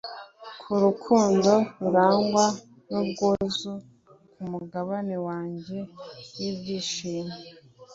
ku rukundo rurangwa n'ubwuzu, ku mugabane wanjye w'ibyishimo